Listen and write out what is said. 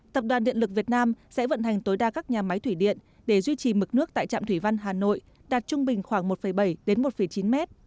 tập đoàn điện lực việt nam sẽ vận hành tối đa các nhà máy thủy điện để duy trì mực nước tại trạm thủy văn hà nội đạt trung bình khoảng một bảy đến một chín mét